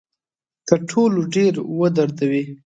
تر ټولو ډیر ودردوي.